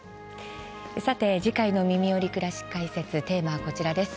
さて、次回の「みみより！くらし解説」テーマは、こちらです。